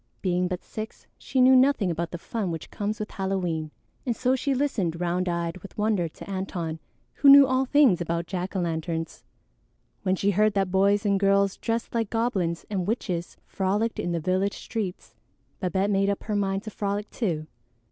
Being but six, she knew nothing about the fun which comes with Halloween, and so she listened round eyed with wonder to Antone, who knew all things about jack o' lanterns. When she heard that boys and girls dressed like goblins and witches frolicked in the village streets, Babette made up her mind to frolic too.